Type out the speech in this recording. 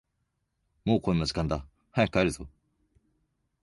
もうこんな時間だ、早く帰るぞ。